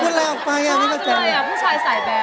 พูดอะไรออกไป